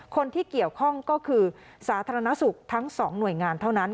คนที่เกี่ยวข้องก็คือสาธารณสุขทั้ง๒หน่วยงานเท่านั้น